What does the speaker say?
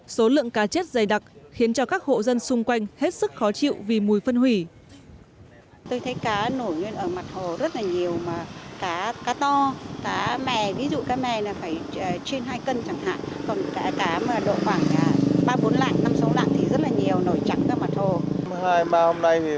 số lượng cá chết dày đặc khiến cho các hộ dân xung quanh hết sức khó chịu vì mùi phân hủy